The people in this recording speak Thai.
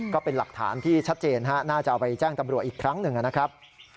ก็เป็นหลักฐานที่ชัดเจนน่าจะเอาไปแจ้งตำรวจอีกครั้งหนึ่งนะครับ